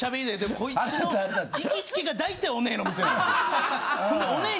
こいつの行きつけが大体オネエの店なんですよ。